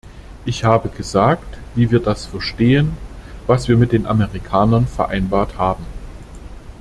Ich habe gesagt, wie wir das verstehen, was wir mit den Amerikanern vereinbart haben.